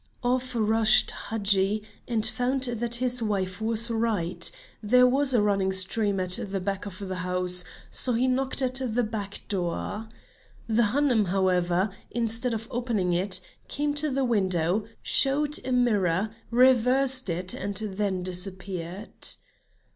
Off rushed Hadji and found that his wife was right; there was a running stream at the back of the house, so he knocked at the back door. The Hanoum, however, instead of opening it, came to the window, showed a mirror, reversed it and then disappeared.